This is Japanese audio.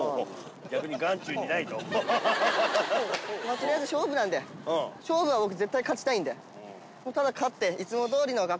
取りあえず勝負なんで勝負は僕絶対勝ちたいんで。